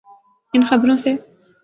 ان خبروں سے؟